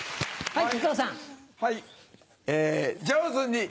はい。